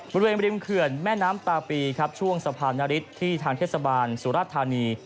บริเวณริมเขื่อนแม่น้ำตาปีครับช่วงสะพานนฤทธิ์ที่ทางเทศบาลสุรธานี